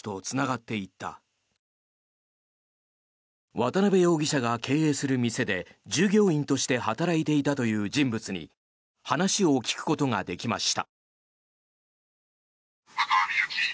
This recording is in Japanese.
渡邉容疑者が経営する店で従業員として働いていたという人物に話を聞くことができました。